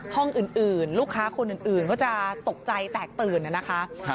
ห้องอื่นลูกค้าคนอื่นก็จะตกใจแตกตื่นนะคะ